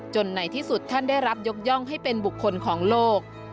ในที่สุดท่านได้รับยกย่องให้เป็นบุคคลของโลก